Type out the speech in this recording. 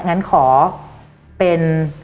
งั้นขอเป็น